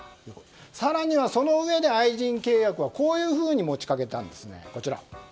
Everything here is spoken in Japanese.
更には、そのうえで愛人契約をこういうふうに持ちかけたんです。